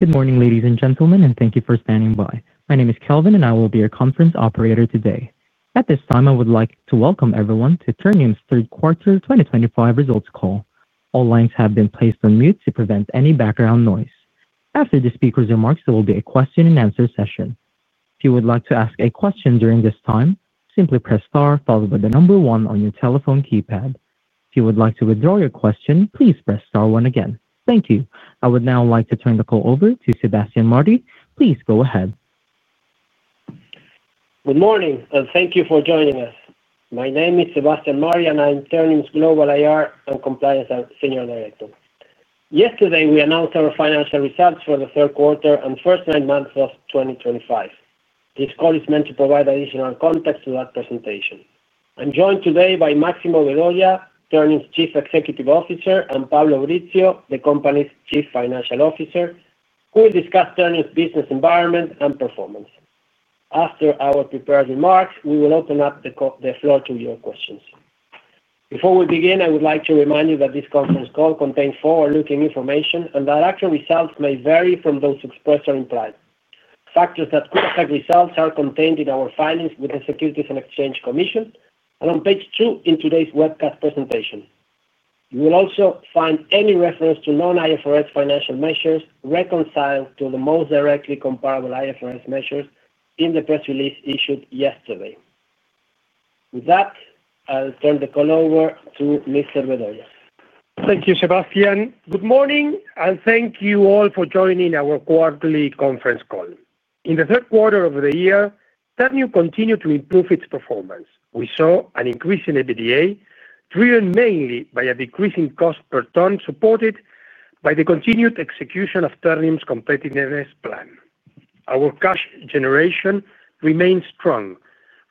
Good morning ladies and gentlemen, and thank you for standing by. My name is Kelvin, and I will be your conference operator today. At this time, I would like to welcome everyone to Ternium's third quarter 2025 results call. All lines have been placed on mute to prevent any background noise. After the speakers' remarks, there will be a question and answer session. If you would like to ask a question during this time, simply press star followed by the number one on your telephone keypad. If you would like to withdraw your question, please press star one again. Thank you. I would now like to turn the call over to Sebastián Martí. Please go ahead. Good morning and thank you for joining us. My name is Sebastián Martí and I'm Ternium's Global IR and Compliance Senior Director. Yesterday we announced our financial results for the third quarter and first nine months of 2025. This call is meant to provide additional context to that presentation. I'm joined today by Máximo Vedoya, Ternium's Chief Executive Officer, and Pablo Brizzio, the company's Chief Financial Officer, who will discuss Ternium's business environment and performance. After our prepared remarks, we will open up the floor to your questions. Before we begin, I would like to remind you that this conference call contains forward-looking information and that actual results may vary from those expressed or implied. Factors that could affect results are contained in our filings with the Securities and Exchange Commission and on page two in today's webcast presentation. You will also find any reference to non-IFRS financial measures reconciled to the most directly comparable IFRS measures in the press release issued yesterday. With that, I'll turn the call over to Mr. Vedoya. Thank you, Sebastián. Good morning and thank you all for joining our quarterly conference call. In the third quarter of the year, Ternium continued to improve its performance. We saw an increase in EBITDA driven mainly by a decreasing cost per ton, supported by the continued execution of Ternium's competitiveness plan. Our cash generation remains strong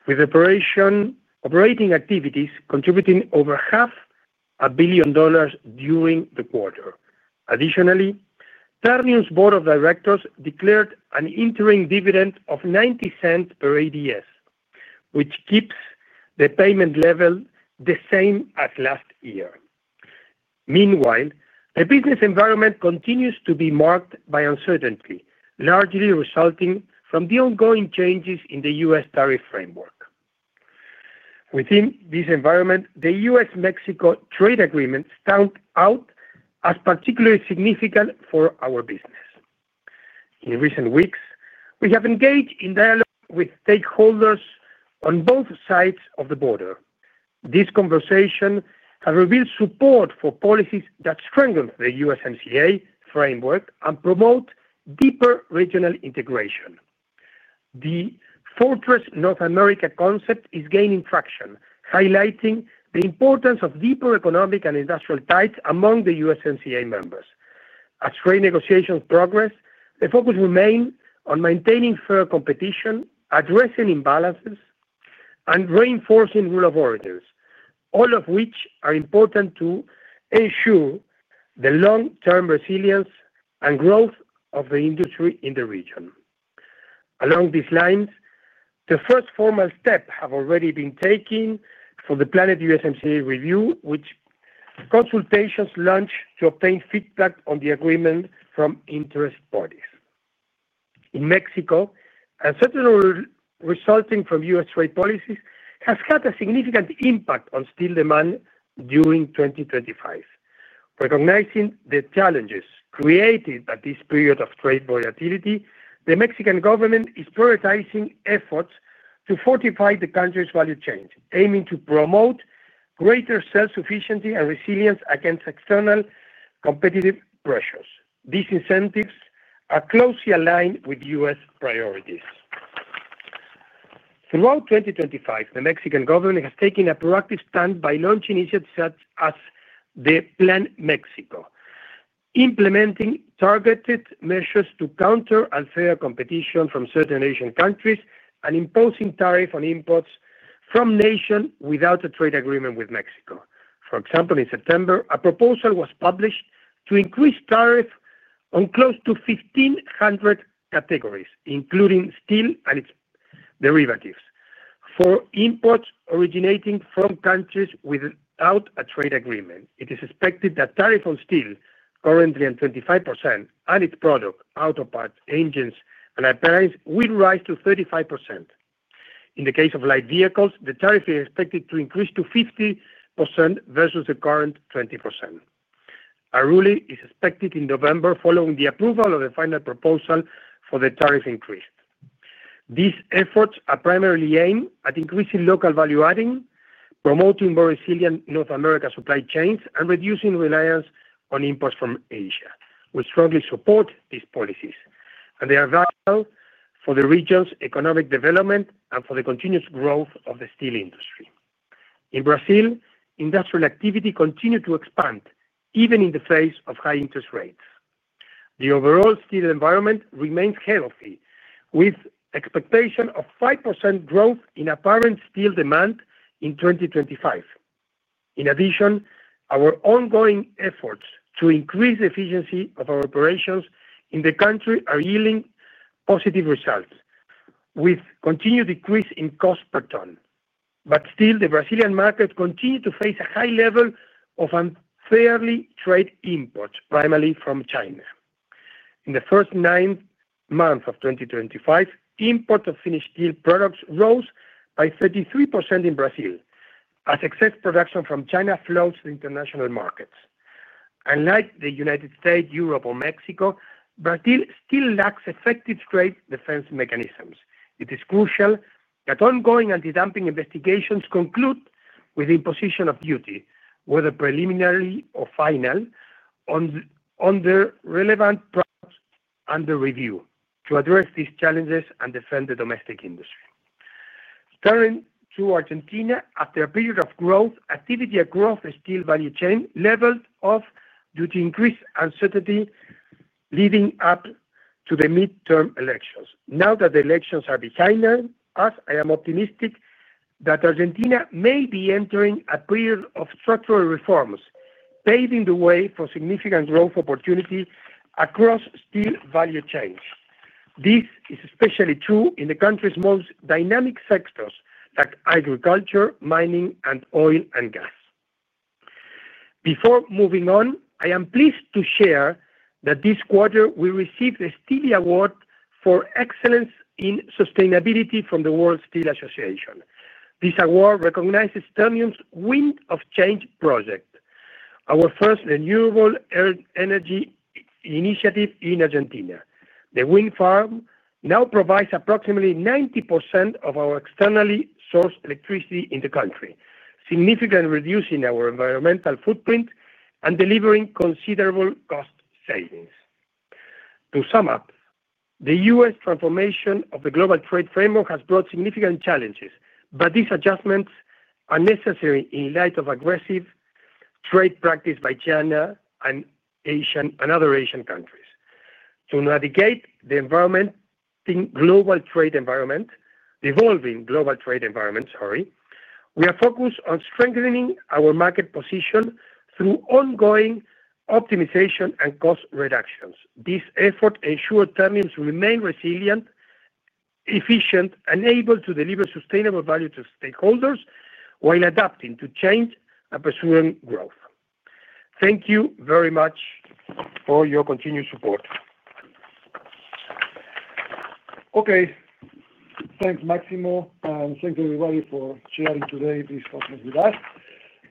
with operating activities contributing over half a billion dollars during the quarter. Additionally, Ternium's board of directors declared an interim dividend of $0.90 per ADS, which keeps the payment level the same as last year. Meanwhile, the business environment continues to be marked by uncertainty, largely resulting from the ongoing changes in the U.S. tariff framework. Within this environment, the U.S.-Mexico Trade Agreement stands out as particularly significant for our business. In recent weeks, we have engaged in dialogue with stakeholders on both sides of the border. This conversation has revealed support for policies that strengthen the USMCA framework and promote deeper regional integration. The Fortress North America concept is gaining traction, highlighting the importance of deeper economic and industrial ties among the USMCA members. As trade negotiations progress, the focus remains on maintaining fair competition, addressing imbalances, and reinforcing rule of origins, all of which are important to ensure the long-term resilience and growth of the industry in the region. Along these lines, the first formal steps have already been taken for the planned USMCA review, with consultations launched to obtain feedback on the agreement from interested parties. In Mexico, uncertainty resulting from U.S. trade policies has had a significant impact on steel demand during 2025. Recognizing the challenges created at this period of trade volatility, the Mexican government is prioritizing efforts to fortify the country's value chains, aiming to promote greater self-sufficiency and resilience against external competitive pressures. These incentives are closely aligned with U.S. priorities. Throughout 2025, the Mexican government has taken a proactive stance by launching initiatives such as the Plan Mexico, implementing targeted measures to counter unfair competition from certain Asian countries and imposing tariffs on imports from nations without a trade agreement with Mexico. For example, in September a proposal was published to increase tariff on close to 1,500 categories including steel and its derivatives for imports originating from countries without a trade agreement. It is expected that tariff on steel, currently at 25%, and its products, auto parts, engines, and air parents, will rise to 35%. In the case of light vehicles, the tariff is expected to increase to 50% vs the current 20%. A ruling is expected in November following the approval of the final proposal for the tariff increase. These efforts are primarily aimed at increasing local value adding, promoting more resilient North America supply chains, and reducing reliance on imports from Asia. We strongly support these policies and they are vital for the region's economic development and for the continuous growth of the steel industry. In Brazil, industrial activity continued to expand even in the face of high interest rates. The overall steel environment remains healthy with expectation of 5% growth in apparent steel demand in 2025. In addition, our ongoing efforts to increase efficiency of our operations in the country are yielding positive results with continued decrease in cost per tonne. The Brazilian market continues to face a high level of unfairly traded imports, primarily from China. In the first nine months of 2025, import of finished steel products rose by 33% in Brazil as excess production from China flows to international markets. Unlike the United States, Europe, or Mexico, Brazil still lacks effective trade defense mechanisms. It is crucial that ongoing anti-dumping investigations conclude with imposition of duty, whether preliminary or final, on the relevant under review. To address these challenges and defend the domestic industry, turning to Argentina, after a period of growth, activity across the steel value chain leveled off due to increased uncertainty leading up to the midterm elections. Now that the elections are behind us, I am optimistic that Argentina may be entering a period of structural reforms, paving the way for significant growth opportunity across steel value chains. This is especially true in the country's most dynamic sectors like agriculture, mining, and oil and gas. Before moving on, I am pleased to share that this quarter we received the Steel Award for Excellence in Sustainability from the World Steel Association. This award recognizes Ternium's Wind of Change project, our first renewable energy initiative in Argentina. The wind farm now provides approximately 90% of our externally sourced electricity in the country, significantly reducing our environmental footprint and delivering considerable cost savings. To sum up, the U.S. transformation of the global trade framework has brought significant challenges, but these adjustments are necessary in light of aggressive trade practice by China and other Asian countries to navigate the environment. Global trade environment evolving global trade environment we are focused on strengthening our market position through ongoing optimization and cost reductions. This effort ensures terminals remain resilient, efficient, and able to deliver sustainable value to stakeholders while adapting to change and pursuing growth. Thank you very much for your continued support. Okay, thanks Máximo and thank you everybody for sharing today this conference with us.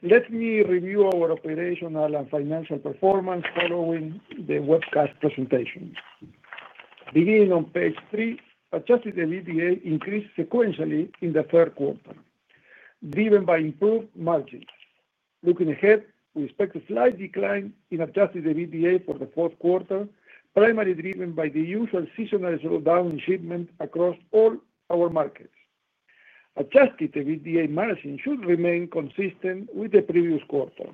Let me review our operational and financial performance following the webcast presentation beginning on page three. Adjusted EBITDA increased sequentially in the third quarter driven by improved margins. Looking ahead, we expect a slight decline in adjusted EBITDA for the fourth quarter, primarily driven by the usual seasonal slowdown in shipment across all our markets. Adjusted EBITDA margin should remain consistent with the previous quarter.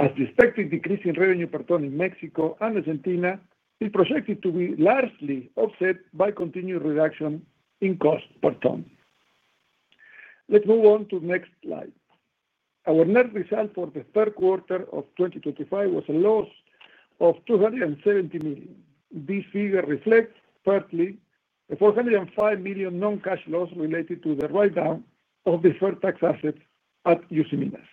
As expected, decreasing revenue per ton in Mexico and Argentina is projected to be largely offset by continued reduction in cost per ton. Let's move on to next slide. Our net result for the third quarter of 2025 was a loss of $270 million. This figure reflects partly the $405 million non-cash loss related to the write-down of deferred tax assets at Usiminas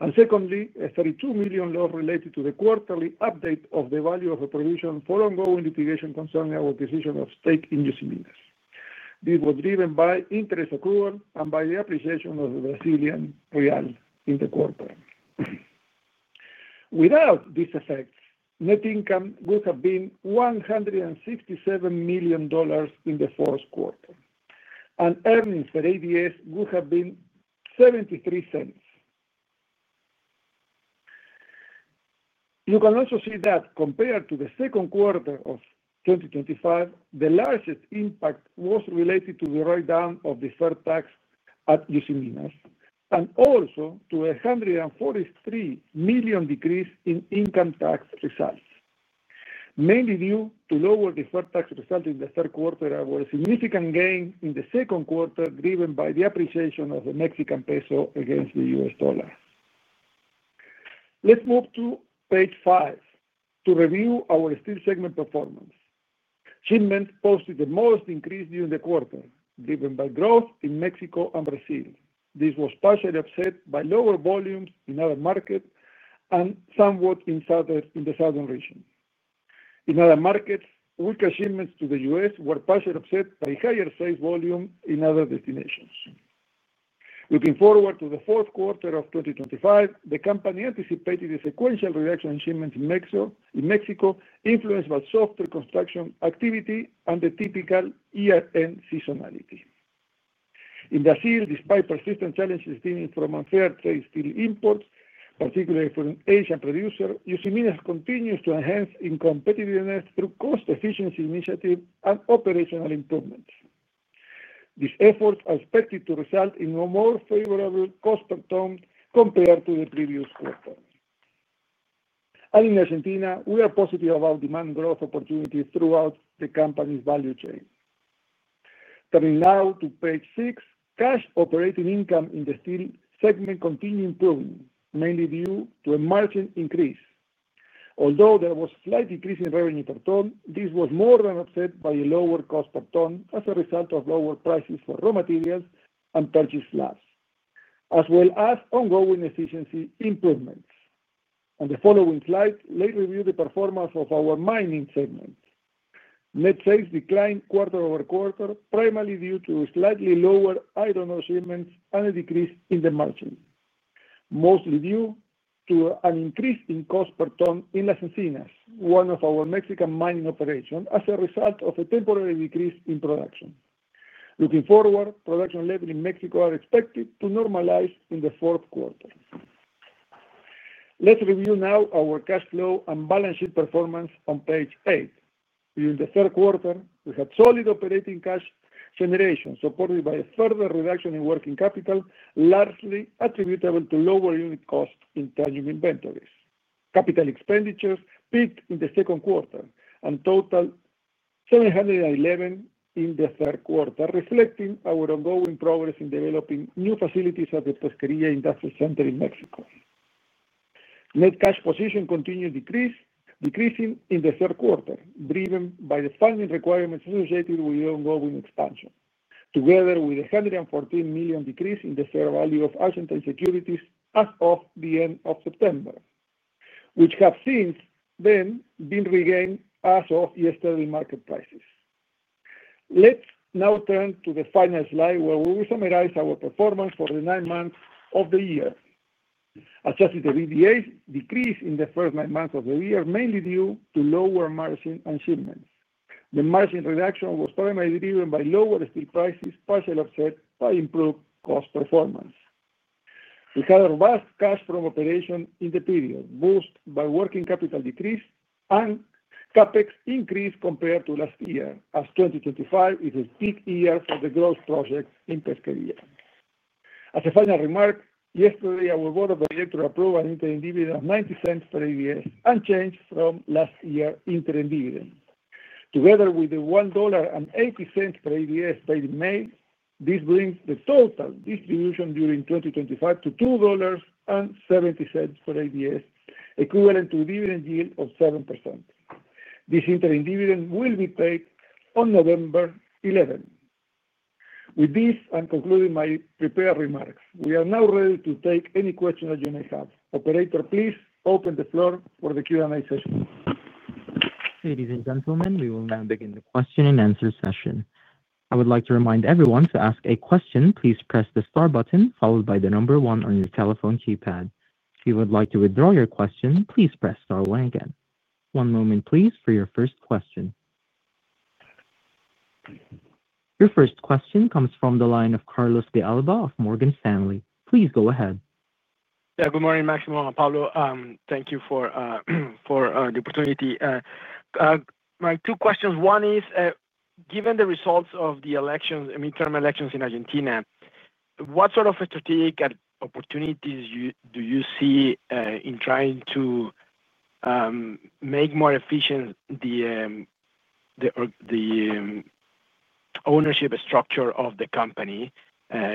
and secondly a $32 million loss related to the quarterly update of the value of a provision for ongoing litigation concerning our decision of stake in Usiminas. This was driven by interest accrual and by the appreciation of the Brazilian real in the quarter. Without these effects, net income would have been $167 million in the fourth quarter and earnings for ADS would have been $0.73. You can also see that compared to the second quarter of 2025, the largest impact was related to the write-down of deferred tax at Usiminas and also to a $143 million decrease in income tax results mainly due to lower deferred tax result in the third quarter, which was a significant gain in the second quarter driven by the appreciation of the Mexican peso against the U.S. Dollar. Let's move to page five to review our steel segment performance. Shipment posted the most increase during the quarter driven by growth in Mexico and Brazil. This was partially offset by lower volumes in other markets and somewhat in the southern region. In other markets, weak shipments to the U.S. were partially offset by higher sales volume in other destinations. Looking forward to the fourth quarter of 2025, the company anticipated a sequential reduction in shipments in Mexico. In Mexico, influenced by softer construction activity and the typical year-end seasonality, in Brazil, despite persistent challenges stemming from unfair trade, steel imports, particularly from an Asian producer, Usiminas continues to enhance competitiveness through cost efficiency initiative and operational improvements. These efforts are expected to result in a more favorable cost and termination compared to the previous quarter, and in Argentina, we are positive about demand growth opportunities throughout the company's value chain. Turning now to page six, cash operating income in the steel segment continued improving mainly due to a margin increase. Although there was a slight decrease in revenue per tonne, this was more than offset by a lower cost per ton as a result of lower prices for raw materials and purchase loss as well as ongoing efficiency improvements. On the following slide, let's review the performance of our mining segments. Net sales declined quarter-over-quarter primarily due to slightly lower iron ore shipments and a decrease in the margin, mostly due to an increase in cost per ton in La Encinas, one of our Mexican mining operations, as a result of a temporary decrease in production. Looking forward, production levels in Mexico are expected to normalize in the fourth quarter. Let's review now our cash flow and balance sheet performance on page eight. During the third quarter, we had solid operating cash generation supported by a further reduction in working capital, largely attributable to lower unit costs in tangy inventories. Capital expenditures peaked in the second quarter and totaled $711 million in the third quarter, reflecting our ongoing progress in developing new facilities at the Pesquería Industrial Center in Mexico. Net cash position continues decreasing in the third quarter, driven by the funding requirements associated with the ongoing expansion, together with a $114 million decrease in the fair value of Argentine securities as of the end of September, which have since then been regained as of yesterday's market prices. Let's now turn to the final slide where we will summarize our performance for the nine months of the year. Adjusted EBITDA decreased in the first nine months of the year mainly due to lower margin and shipments. The margin reduction was primarily driven by lower steel prices, partially offset by improved cost performance. We had a robust cash from operation in the period, boosted by working capital decrease, and CapEx increased compared to last year as 2025 is a peak year for the growth project in Pesquería. As a final remark, yesterday our Board of Directors approved an interim dividend of $0.90/ADS unchanged from last year. Interim dividend together with the $1.80/ADS/May, this brings the total distribution during 2025 to $2.70 for ADS equivalent to the dividend yield of 7%. This interim dividend will be paid on November 11th. With this, I'm concluding my prepared remarks. We are now ready to take any question that you may have. Operator, please open the floor for the Q and A session. Ladies and gentlemen, we will now begin. The question and answer session. I would like to remind everyone to ask a question, please press the star button followed by the number one on your telephone keypad. If you would like to withdraw your question, please press star one again. One moment please for your first question. Your first question comes from the line of Carlos De Alba of Morgan Stanley. Please go ahead. Yeah, good morning, Máximo. Pablo, thank you for the opportunity. My two questions, one is given the results of the elections, midterm elections in Argentina, what sort of strategic opportunities do you see in trying to make more efficient the ownership structure of the company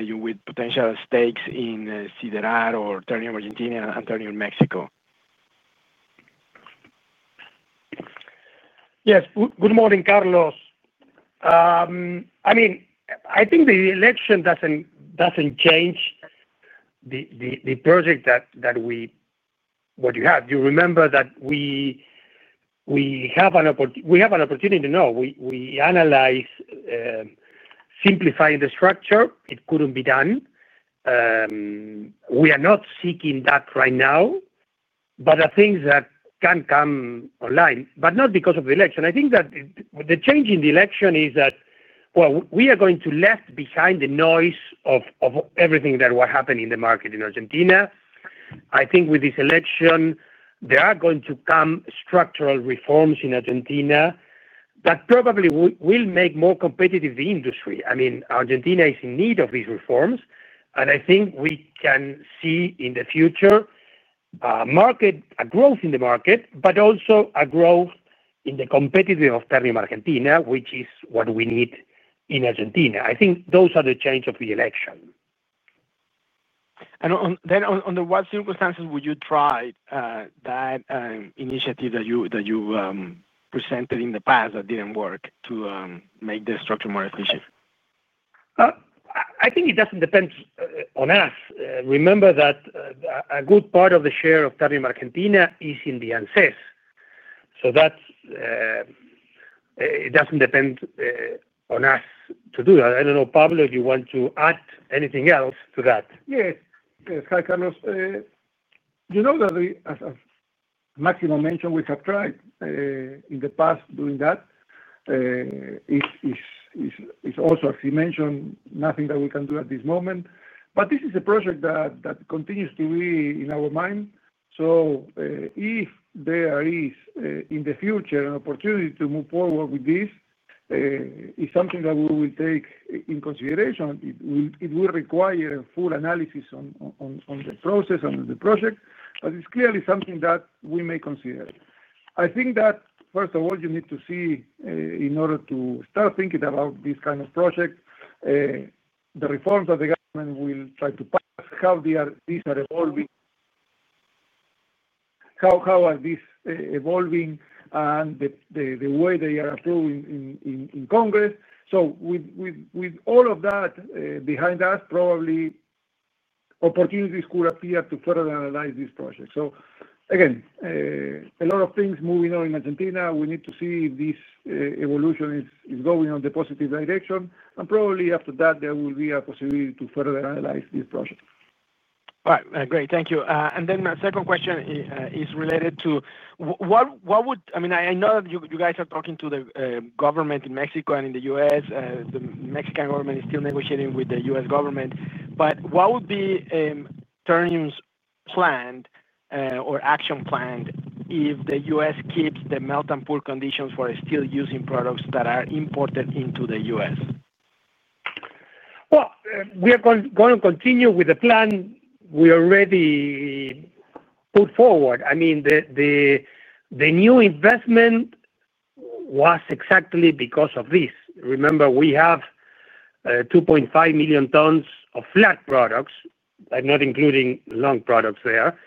with potential stakes in Argentina or Mexico? Yes, good morning, Carlos. I mean, I think the election doesn't change the project that we have. You remember that we have an opportunity to know. We analyze, simplifying the structure. It couldn't be done. We are not seeking that right now. The things that can come online, not because of the election. I think that the change in the election is that we are going to leave behind the noise of everything that will happen in the market in Argentina. I think with this election there are going to come structural reforms in Argentina that probably will make more competitive the industry. I mean, Argentina is in need of these reforms. I think we can see in the future a growth in the market, but also a growth in the competitive of Ternium Argentina, which is what we need in Argentina. I think those are the change of the election. Under what circumstances would you try that initiative that you presented in the past that didn't work to make the structure more efficient? I think it doesn't depend on us. Remember that a good part of the share of Ternium Argentina is in the ANSES, so that it doesn't depend on us to do that. I don't know, Pablo, if you want to add anything else to that. Yes, hi, Carlos. You know that as Máximo mentioned, we have tried in the past. Doing that is also, as you mentioned, nothing that we can do at this moment. This is a project that continues to be in our mind. If there is in the future an opportunity to move forward with this, it is something that we will take in consideration. It will require full analysis on the process and the project. It's clearly something that we may consider. I think that first of all you need to see, in order to start thinking about this kind of project, the reforms that the government will try to pass, how these are evolving, how are these evolving, and the way they are approving in Congress. With all of that behind us, probably opportunities could appear to further analyze this project. Again, a lot of things moving on in Argentina. We need to see if this evolution is going on the positive direction. Probably after that there will be a possibility to further analyze this project. All right, great, thank you. My second question is related to what would. I know you guys are talking to the government in Mexico and in the U.S., the Mexican government is still negotiating with the U.S. government. What would be Ternium's plan or action planned if the U.S. keeps the melt and poor conditions for steel using products that are imported into the U.S.? We are going to continue with the plan we already put forward. The new investment was exactly because of this. Remember, we have 2.5 million tons of flat products. I'm not including long products there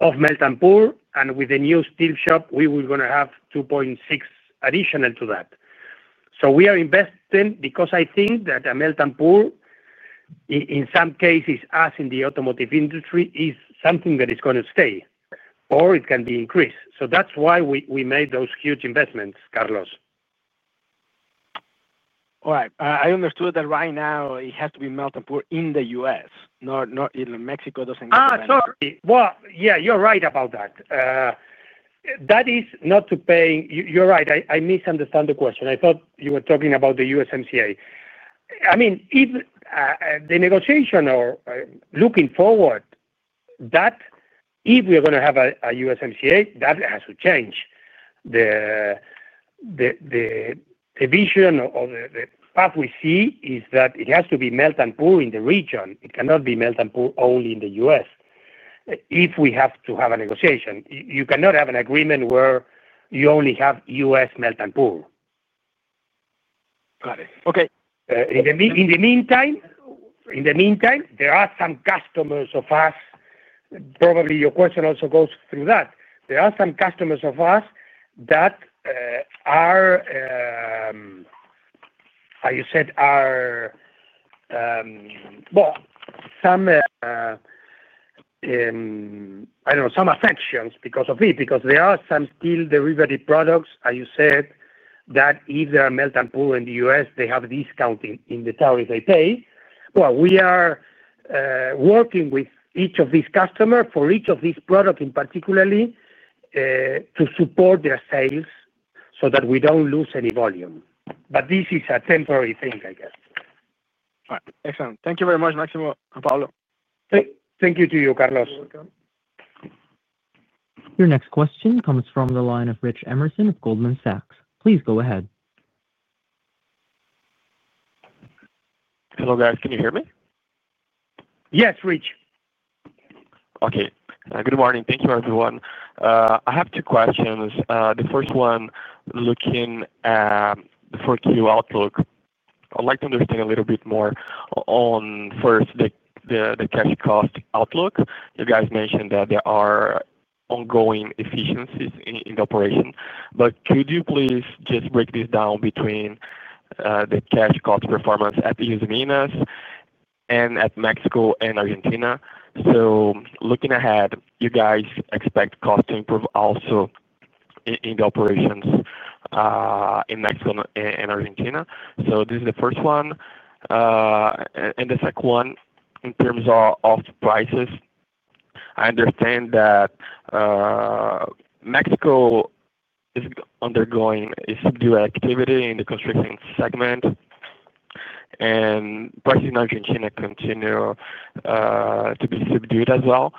of melt and pour, and with the new steel shop we were going to have 2.6 million additional to that. We are investing because I think that a melt and pour in some cases, as in the automotive industry, is something that is going to stay or it can be increased. That's why we made those huge investments, Carlos. All right, I understood that right now it has to be melt and pour in the U.S., not in Mexico? Sorry. Yeah, you're right about that. That is not to pay. You're right, I misunderstood the question. I thought you were talking about the USMCA. I mean, if the negotiation or looking forward that if we are going to have a USMCA, that has to change the vision or the path we see is that it has to be melt and pour in the region. It cannot be melt and pour only in the U.S. If we have to have a negotiation, you cannot have an agreement where you only have U.S. melt and pour. Got it. Okay. In the meantime, there are some customers of us, probably your question also goes through that, there are some customers of us that are, as you said, are some, I don't know, some affections because of it, because there are some steel derivative products, as you said, that if they are melt and pour in the U.S., they have a discount in the tariff they pay. We are working with each of these customers for each of these products in particular to support their sales so that we don't lose any volume. This is a temporary thing, I guess. Excellent. Thank you very much, Máximo, Pablo. Thank you to you, Carlos. Your next question comes from the line of Rich Emmerson of Goldman Sachs. Please go ahead. Hello guys, can you hear me? Yes, Rich. Okay, good morning. Thank you everyone. I have two questions. The first one, looking at the 4Q outlook, I'd like to understand a little bit more on first the cash cost outlook. You guys mentioned that there are ongoing efficiencies in the operation, but could you please just break this down between the cash cost performance at Usiminas and at Mexico and Argentina. Looking ahead, you guys expect cost to improve also in the operations in Mexico and Argentina. This is the first one and the second one in terms of prices. I understand that Mexico is undergoing a subdued activity in the construction segment and prices in Argentina continue to be subdued as well.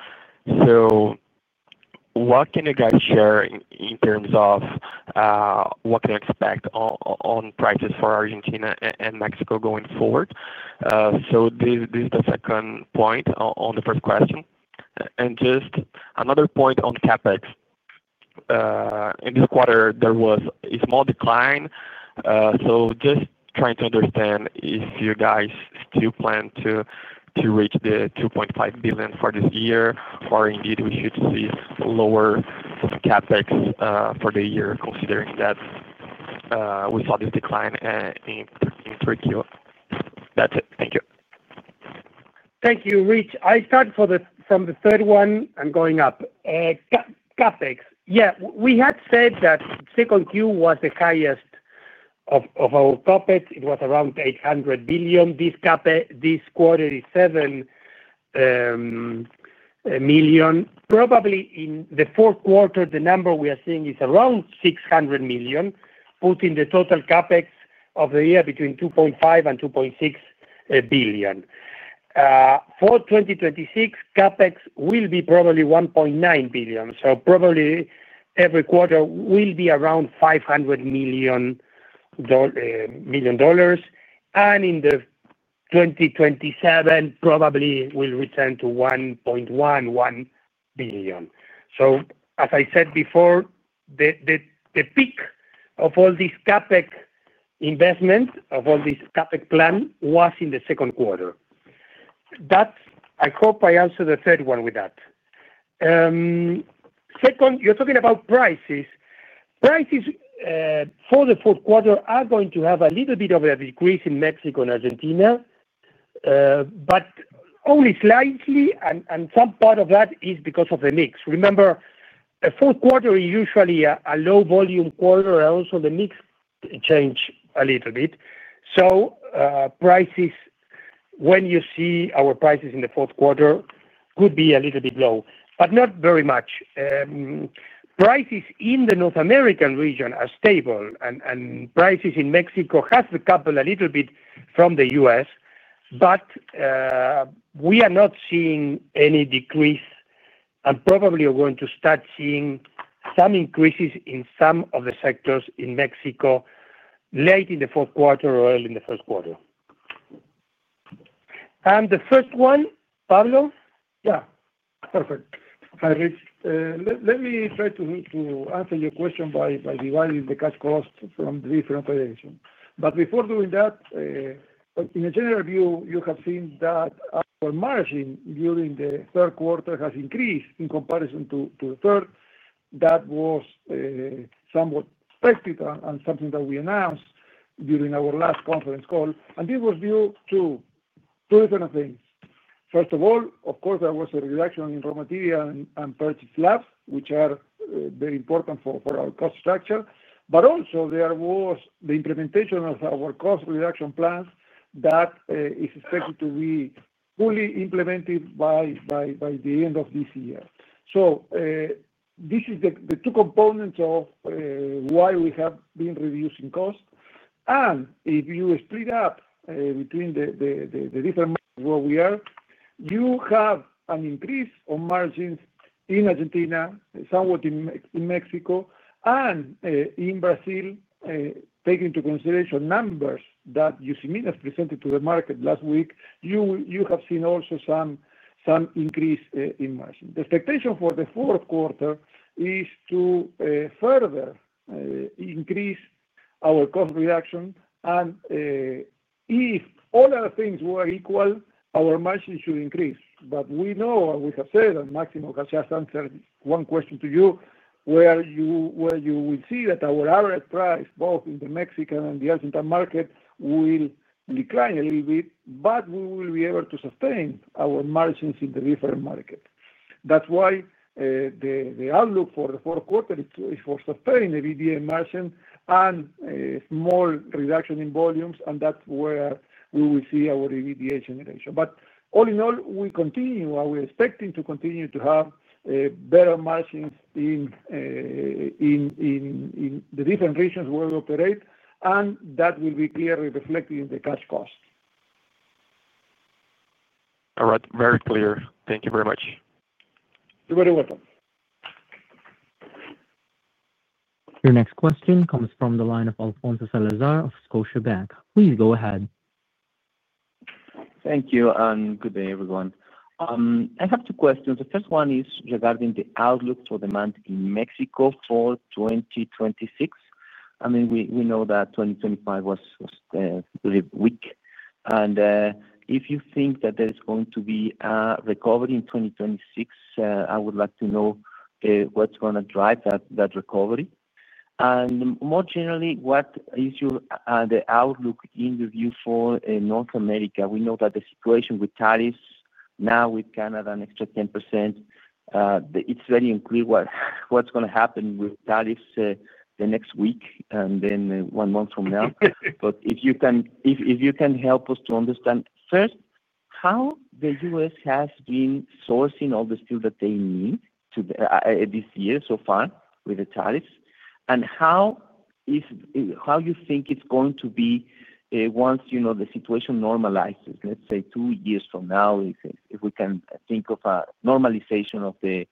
What can you guys share in terms of what you can expect on prices for Argentina and Mexico going forward? This is the second point on the first question and just another point on CapEx. In this quarter there was a small decline. Just trying to understand if you guys still plan to reach the $2.5 billion for this year or indeed we should see lower CapEx for the year considering that we saw this decline in Turkey. That's it. Thank you. Thank you, Rich. I start from the third one and going up, CapEx. Yeah, we had said that second quarter was the highest of our CapEx. It was around $800 million. This quarter is $700 million. Probably in the fourth quarter the number we are seeing is around $600 million, putting the total CapEx of the year between $2.5 billion and $2.6 billion. For 2026, CapEx will be probably $1.9 billion, so probably every quarter will be around $500 million. In 2027, probably will return to $1.1 billion. As I said before, the peak of all this CapEx investment, of all this CapEx plan, was in the second quarter. I hope I answer the third one with that. Second, you're talking about prices. Prices for the fourth quarter are going to have a little bit of a decrease in Mexico and Argentina, but only slightly, and some part of that is because of the mix. Remember, the fourth quarter is usually a low volume quarter. Also, the mix changes a little bit, so prices, when you see our prices in the fourth quarter, could be a little bit low, but not very much. Prices in the North American region are stable, and prices in Mexico have decoupled a little bit from the U.S., but we are not seeing any decrease and probably are going to start seeing some increases in some of the sectors in Mexico late in the fourth quarter, early in the first quarter, and the first one. Pablo? Yeah, perfect. Hi, Rich. Let me try to answer your question by dividing the cash cost from different operations. Before doing that, in a general view, you have seen that our margin during the third quarter has increased in comparison to the third quarter. That was somewhat specific and something that we announced during our last conference call. This was due to two different things. First of all, of course, there was a reduction in raw material and purchased labs, which are very important for our cost structure. There was also the implementation of our cost reduction plan that is expected to be fully implemented by the end of this year. These are the two components of why we have been reducing cost. If you split up between the different markets where we are, you have an increase of margins in Argentina, somewhat in Mexico, and in Brazil. Taking into consideration numbers that Usiminas presented to the market last week, you have seen also some increase in margin. The expectation for the fourth quarter is to further increase our cost reduction. If all other things were equal, our margin should increase. We know, we have said, and Máximo has just answered one question to you, where you will see that our average price both in the Mexican and the Argentine market will decline a little bit, but we will be able to sustain our margins in the different markets. That's why the outlook for the fourth quarter is for EBITDA margin and a more reduction in volumes and that's where we will see our EBITDA generation. All in all, we continue. We are expecting to continue to have better margins in the different regions where we operate. That will be clearly reflected in the cash cost. All right, very clear. Thank you very much. Welcome. Your next question comes from the line of Alfonso Salazar of Scotiabank. Please go ahead. Thank you and good day, everyone. I have two questions. The first one is regarding the outlook for demand in Mexico for 2026. I mean, we know that 2020, and if you think that there's going to be a recovery in 2026, I would like to know what's going to drive that recovery. More generally, what is your outlook and review for North America? We know that the situation with tariffs now with Canada, an extra 10%, it's very unclear what's going to happen with tariffs the next week and then one month from now. If you can help us to understand first how the U.S. has been sourcing all the steel that they need this year so far with the tariffs and how you think it's going to be once the situation normalizes, let's say two years from now. If we can think of a normalization of the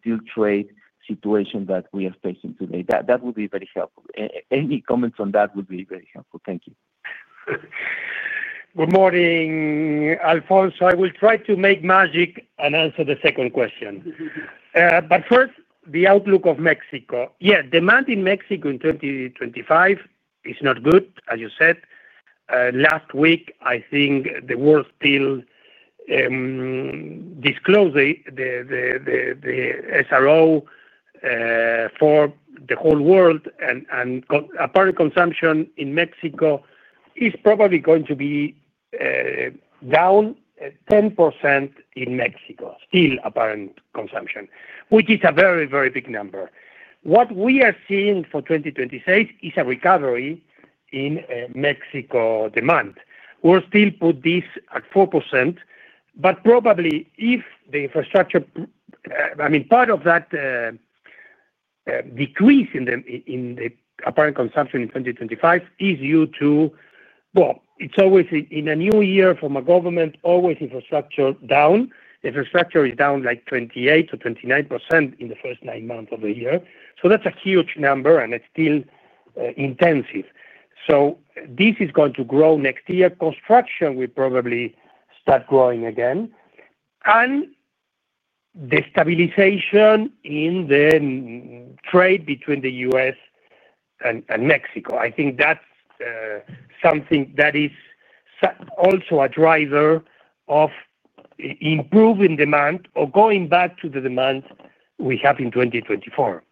steel trade situation that we are facing today, that would be very helpful. Any comments on that would be very helpful. Thank you. Good morning, Alfonso. I will try to make magic and answer the second question. First, the outlook of Mexico. Yeah, demand in Mexico in 2025 is not good. As you said last week, I think the world still disclosed the SRO for the whole world, and apparent consumption in Mexico is probably going to be down 10%. In Mexico, still apparent consumption, which is a very, very big number. What we are seeing for 2026 is a recovery in Mexico demand. We'll still put this at 4%, but probably if the infrastructure, I mean, part of that decrease in the apparent consumption in 2025 is due to, it's always in a new year from a government, always infrastructure down. Infrastructure is down like 28%-29% in the first nine months of the year. That's a huge number and it's still intensive. This is going to grow. Next year, construction will probably start growing again. The stabilization in the trade between the U.S. and Mexico, I think that's something that is also a driver of improving demand or going back to the demand we have in 2024.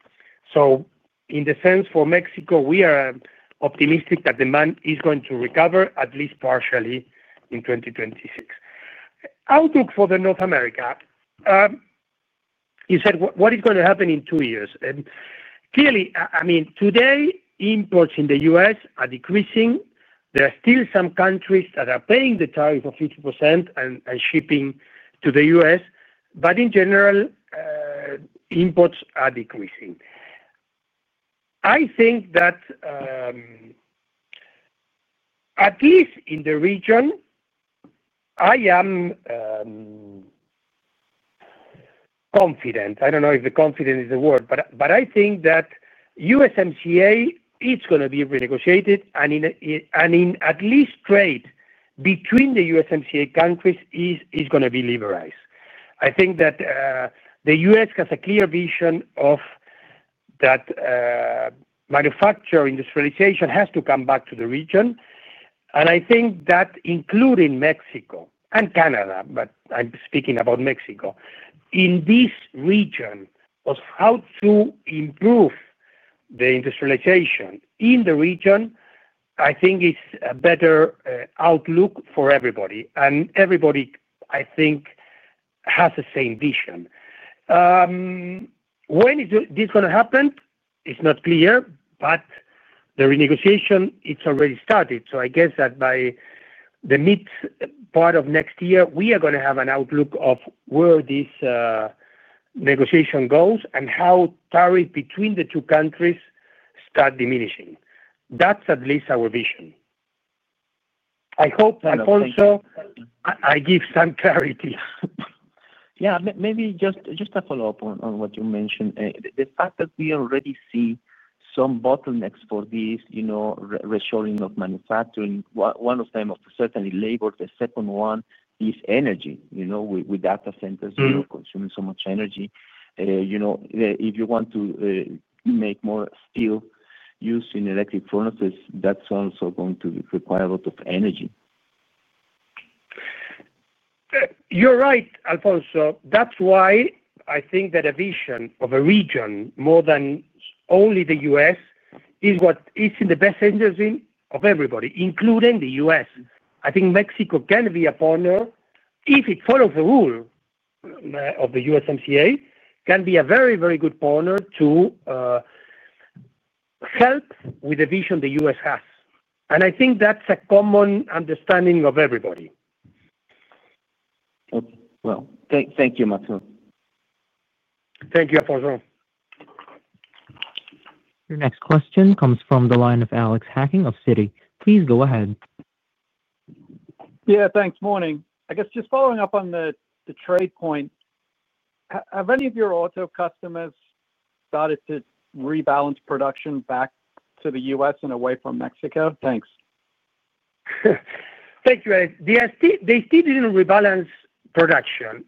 In the sense for Mexico, we are optimistic that demand is going to recover at least partially in 2026. Outlook for North America, you said what is going to happen in two years? Clearly, today imports in the U.S. are decreasing. There are still some countries that are paying the tariff of 50% and shipping to the U.S., but in general imports are decreasing. I think that at least in the region, I am confident, I don't know if confidence is the word, but I think that USMCA is going to be renegotiated and at least trade between the USMCA countries is going to be liberalized. I think that the U.S. has a clear vision that manufacturing industrialization has to come back to the region. Including Mexico and Canada, but I'm speaking about Mexico in this region, of how to improve the industrialization in the region, I think is a better outlook for everybody. Everybody I think has the same vision. When is this going to happen? It's not clear, but the renegotiation, it's already started. I guess that by the mid part of next year we are going to have an outlook of where this negotiation goes and how tariff between the two countries start diminishing. That's at least our vision. I hope that also I give some clarity. Maybe just a follow up on what you mentioned. The fact that we already see some bottlenecks for these, you know, reshoring of manufacturing, one of them, certainly labor. The second one is energy. You know, with data centers you consume so much energy. If you want to make more steel used in electric furnaces, that's also going to require a lot of energy. You're right, Alfonso. That's why I think that a vision of a region more than only the U.S. is what is in the best interest of everybody, including the U.S. I think Mexico can be a partner if it follows the rule of the USMCA, can be a very, very good partner to help with the vision the U.S. has. I think that's a common understanding of everybody. Thank you, Máximo. Thank you, Alfonso. Your next question comes from the line of Alex Hacking of Citi. Please go ahead. Yeah, thanks. Morning. I guess just following up on the trade point. Have any of your auto customers started? To rebalance production back to the U.S. Away from Mexico? Thanks. Thank you. They still didn't rebalance production.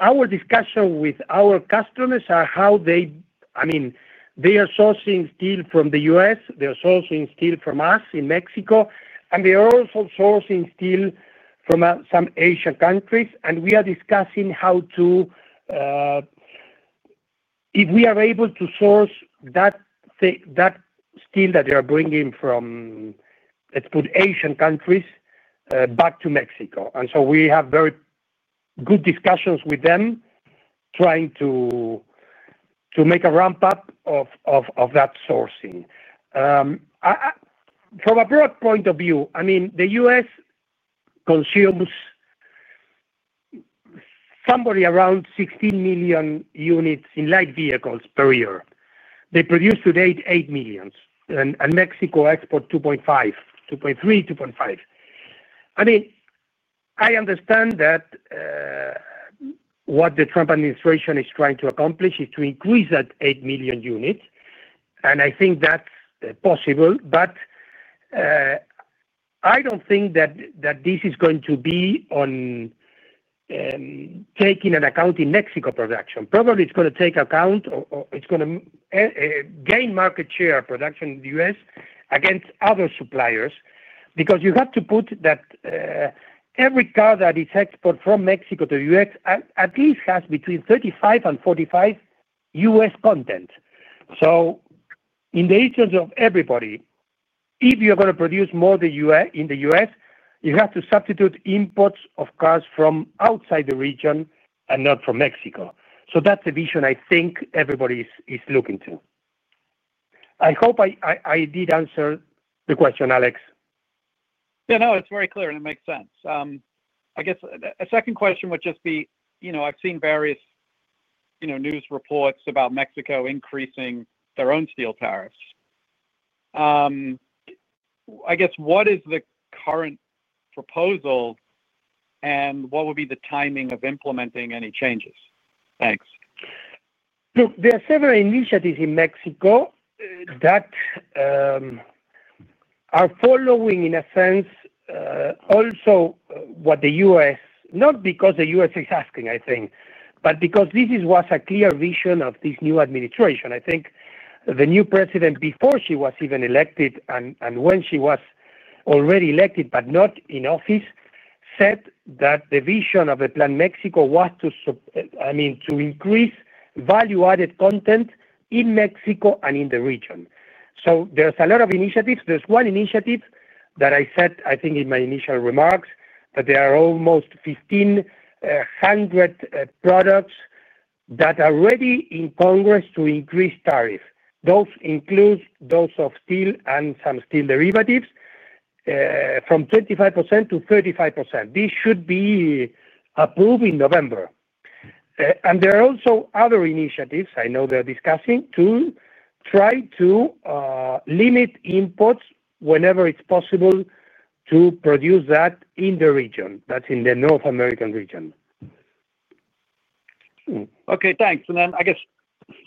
Our discussion with our customers is how they, I mean, they are sourcing steel from the U.S., they are sourcing steel from the U.S. in Mexico, and they are also sourcing steel from some Asian countries. We are discussing how to. If we are able to source that steel that they are bringing from, let's put Asian countries, back to Mexico. We have very good discussions with them, trying to make a ramp up of that sourcing from a broad point of view. I mean, the U.S. consumes somewhere around 16 million units in light vehicles per year. They produce today 8 million, and Mexico exports 2.5, 2.3, 2.5. I mean, I understand that what the Trump administration is trying to accomplish is to increase that 8 million units. I think that's possible, but I don't think that this is going to be on taking an account in Mexico production. Probably it's going to take account, it's going to gain market share production in the U.S. against other suppliers. You have to put that every car that is export from Mexico to the U.S. at least has between 35% and 45% U.S. content. In the interest of everybody, if you're going to produce more in the U.S. you have to substitute imports of cars from outside the region and not from Mexico. That's the vision I think everybody is looking to. I hope I did answer the question, Alex. Yeah, no, it's very clear and it makes sense. I guess a second question would just be, you know, I've seen various news reports about Mexico increasing their own steel tariffs. I guess what is the current proposal and what would be the timing of implementing any changes? Thanks. Look, there are several initiatives in Mexico that are following in a sense also what the U.S. not because the U.S. is asking, I think, but because this was a clear vision of this new administration. I think the new president, before she was even elected and when she was already elected but not in office, said that the vision of the plan Mexico was to increase value added content in Mexico and in the region. There's a lot of initiatives. There's one initiative that I said, I think in my initial remarks that there are almost 1,500 products that are ready in Congress to increase tariff. Those include those of steel and some steel derivatives from 25%-35%. This should be approved in November. There are also other initiatives I know they're discussing to try to limit imports whenever it's possible to produce that in the region that's in the North American region. Okay, thanks. I guess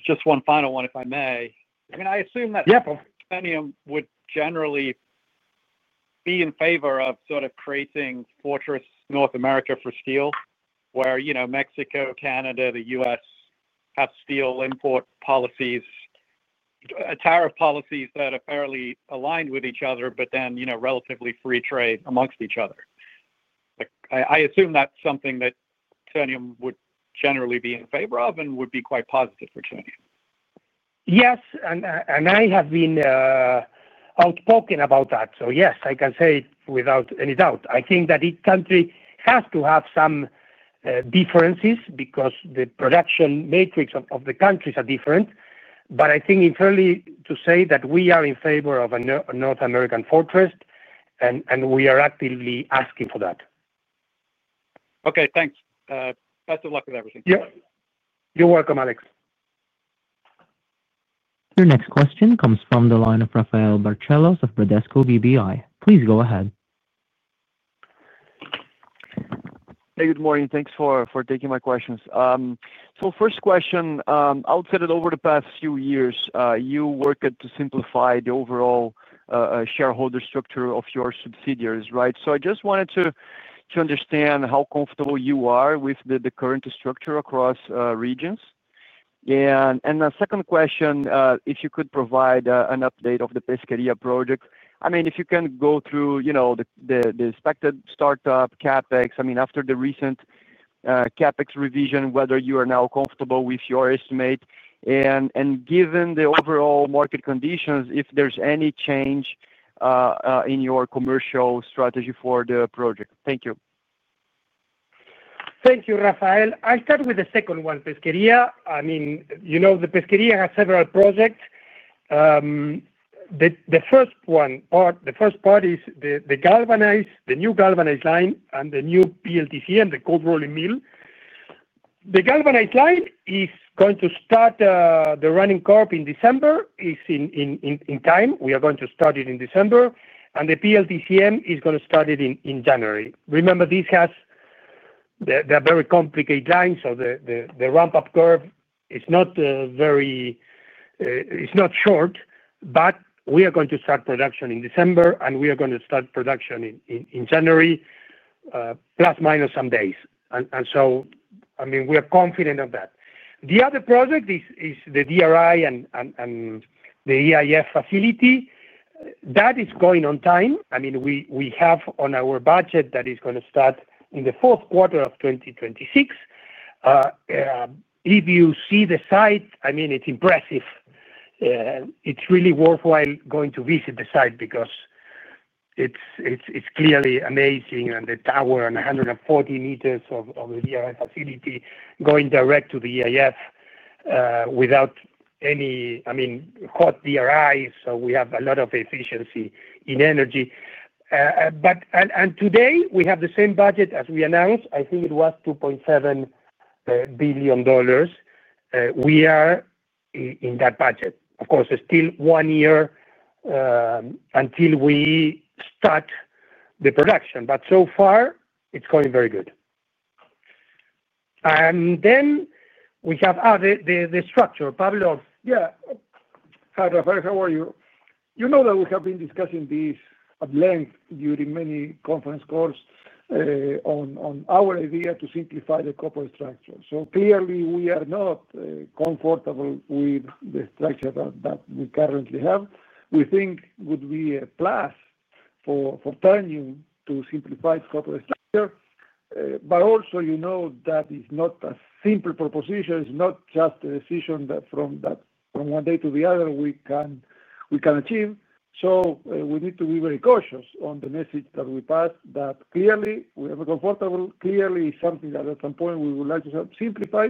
just one final one, if I may. I assume that would generally be in favor of sort of creating Fortress North America for steel where, you know, Mexico, Canada, and the U.S. have steel import policies and tariff policies that are fairly aligned with each other, but then relatively free trade amongst each other. I assume that's something that Ternium would generally be in favor of and would be quite positive for Ternium. Yes, I have been outspoken about that. Yes, I can say without any doubt, I think that each country has to have some differences because the production matrix of the countries are different. I think it's fair to say that we are in favor of a North American fortress and we are actively asking for that. Okay, thanks. Best of luck with everything. You're welcome, Alex. Your next question comes from the line Rafael Barcellos of Bradesco BBI. Please go ahead. Hey, good morning. Thanks for taking my questions. First question, I would say that over the past few years you work to simplify the overall shareholder structure of your subsidiaries. Right? I just wanted to understand how comfortable you are with the current structure across regions. The second question, if you could provide an update of the Pesquería project. I mean if you can go through the expected startup CapEx, I mean after the recent CapEx revision, whether you are now comfortable with your estimate and given the overall market conditions, if there's any change in your commercial strategy for the project. Thank you. Thank you, Rafael. I start with the second one, Pesquería. I mean you know the Pesquería has several projects. The first part is the new galvanized line and the new PLTCM, the cold rolling mill. The galvanized line is going to start the running curve in December in time. We are going to start it in December and the PLTCM is going to start it in January. Remember this has, they are very complicated lines so the ramp up curve, it's not short but we are going to start production in December and we are going to start production in January plus minus some days. I mean we are confident of that. The other project is the DRI and the EAF facility that is going on time. We have on our budget that is going to start in the fourth quarter of 2026. If you see the site, I mean it's impressive. It's really worthwhile going to visit the site because it's clearly amazing and the tower and 140 m of the DRI facility going direct to the EAF without any, I mean hot DRI. We have a lot of efficiency in energy and today we have the same budget as we announced. I think it was $2.7 billion. We are in that budget. Of course it's still one year until we start the production, but so far it's going very good. Then we have added the structure. Pablo? Yeah. Hi Rafael, how are you? You know that we have been discussing this at length during many conference calls on our idea to simplify the corporate structure. Clearly we are not comfortable with the structure that we currently have. We think it would be a plus for Ternium to simplify the corporate structure. Also, you know, that is not a simple proposition. It's not just a decision that from one day to the other we can achieve. We need to be very cautious on the message that we pass that clearly we are comfortable. Clearly it is something that at some point we would like to simplify.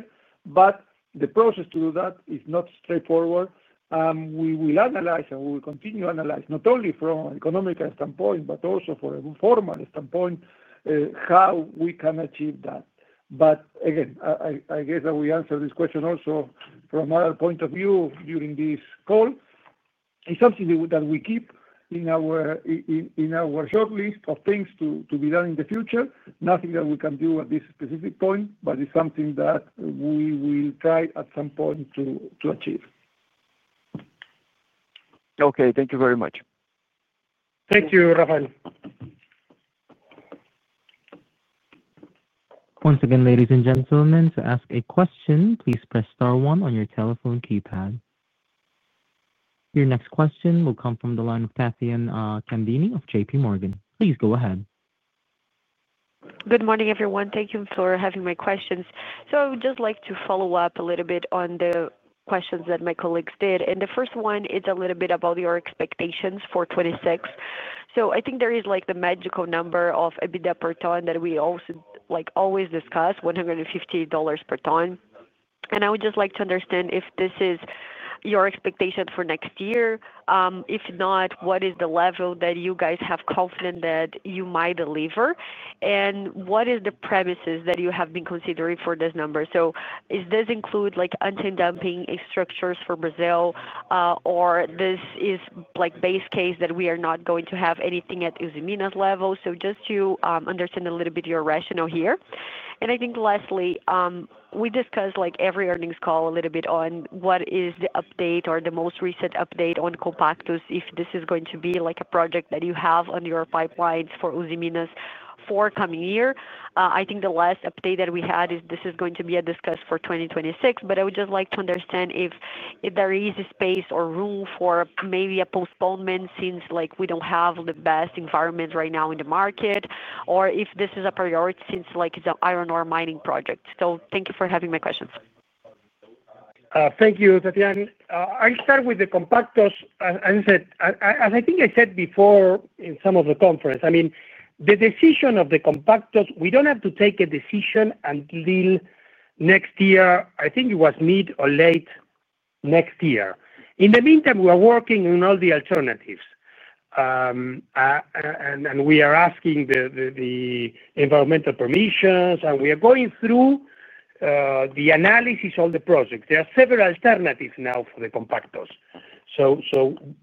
The process to do that is not straightforward. We will analyze and we will continue to analyze, not only from an economical standpoint, but also from a formal standpoint, how we can achieve that. I guess that we answer this question also from our point of view during this call. It's something that we keep in our short list of things to be done in the future. Nothing that we can do at this specific point, but it's something that we will try at some point to achieve. Okay, thank you very much. Thank you, Rafael. Once again, ladies and gentlemen, to ask a question, please press Star one on your telephone keypad. Your next question will come from the line of [Caio Ribeiro] of JPMorgan. Please go ahead. Good morning everyone. Thank you for having my questions. I would just like to follow up a little bit on the questions that my colleagues did. The first one is a little bit about your expectations for 2026. I think there is like the magical number of EBITDA per ton that we also like always discuss, $150/ton. I would just like to understand if this is your expectation for next year. If not, what is the level that you guys have confidence that you might deliver and what is the premises that you have been considering for this number? Does this include like anti-dumping structures for Brazil or is this like base case that we are not going to have anything at Usiminas' level? Just to understand a little bit your rationale here. I think lastly we discussed like every earnings call a little bit on what is the update or the most recent update on Compactos. If this is going to be like a project that you have on your pipelines for Usiminas for coming year. I think the last update that we had is this is going to be a discussion for 2026. I would just like to understand if there is a space or room for maybe a postponement since we don't have the best environment right now in the market or if this is a priority since it's an iron ore mining project. Thank you for having my questions. Thank you. I start with the Compactos, as I think I said before in some of the conference. I mean the decision of the Compactos, we don't have to take a decision until next year. I think it was mid or late next year. In the meantime, we are working on all the alternatives, and we are asking the environmental permissions, and we are going through the analysis of the project. There are several alternatives now for the Compactos, so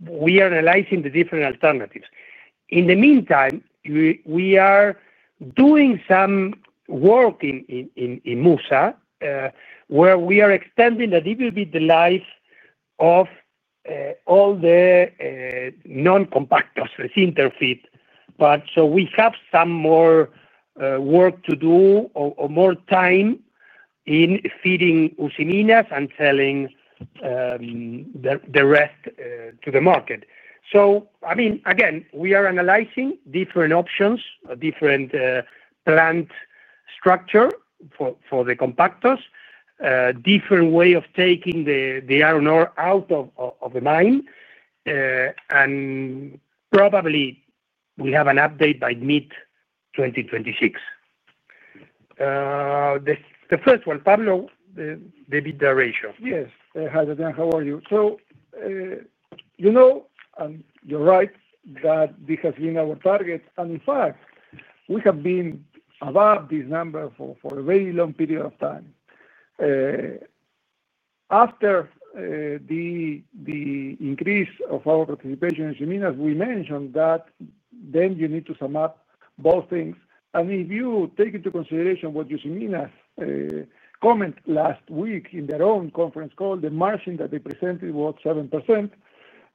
we are analyzing the different alternatives. In the meantime, we are doing some work in Musa, where we are extending a little bit the life of all the non-Compactos process interface. We have some more work to do or more time in feeding Usiminas and selling the rest to the market. Again, we are analyzing different options, different plant structure for the Compactos, different way of taking the iron ore out of the mine. Probably we have an update by mid-2026. The first one. Pablo, the EBITDA ratio. Yes. Hi, how are you? You know, and you're right, that this has been our target and in fact we have been above this number for a very long period of time after the increase of our participation in Usiminas, as we mentioned that. You need to sum up both things. If you take into consideration what Usiminas commented last week in their own conference call, the margin that they presented was 7%.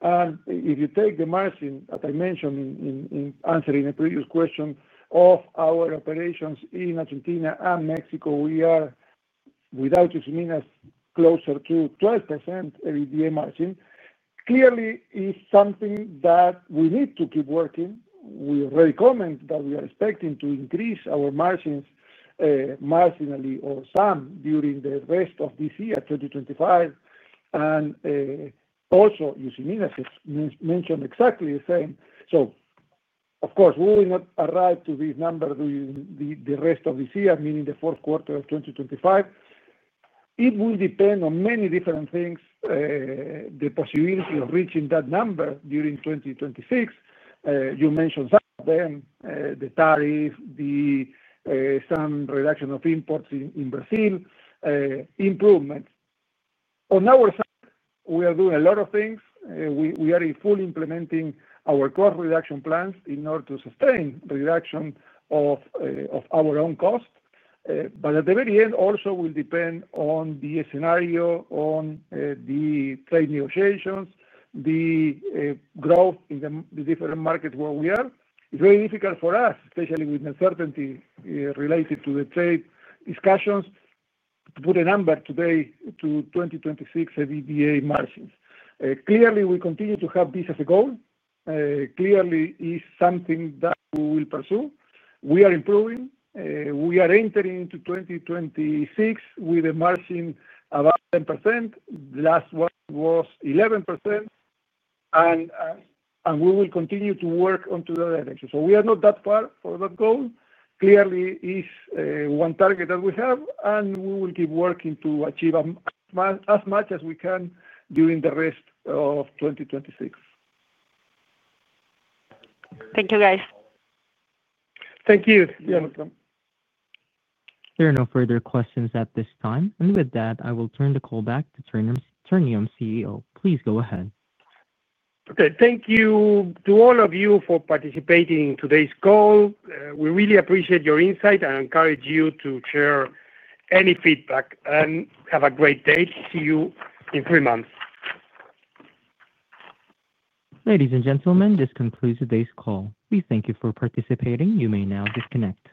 If you take the margin, as I mentioned in answering a previous question of our operations in Argentina and Mexico, we are, without Usiminas, closer to 12% EBITDA margin. Clearly, it is something that we need to keep working, working. We already commented that we are expecting to increase our margins marginally or some during the rest of this year, 2025. Usiminas has mentioned exactly the same. We will not arrive to this number during the rest of this year, meaning the fourth quarter of 2025. It will depend on many different things, the possibility of reaching that number during 2026. You mentioned some of them, the tariff, the reduction of imports in Brazil, improvements on our side, we are doing a lot of things. We are fully implementing our cost reduction plans in order to sustain the reduction of our own cost. At the very end, it also will depend on the scenario, on the trade negotiations, the growth in the different markets where we are. It's very difficult for us, especially with uncertainty related to the trade discussions, to put a number today to 2026 EBITDA margins. Clearly, we continue to have this as a goal. Clearly, it is something that we will pursue. We are improving. We are entering into 2026 with a margin about 10%. The last one was 11%. We will continue to work in that direction. We are not that far from that goal. Clearly, it is one target that we have and we will keep working to achieve as much as we can during the rest of 2026. Thank you, guys. Thank you. You are welcome. There are no further questions at this time. With that, I will turn the call back to Ternium CEO. Please go ahead. Thank you to all of you for participating in today's call. We really appreciate your insight and encourage you to share any feedback. Have a great day. See you in three months. Ladies and gentlemen, this concludes today's call. We thank you for participating. You may now disconnect.